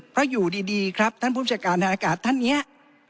เพราะอยู่ดีครับท่านผู้จัดการทางอากาศท่านเนี่ย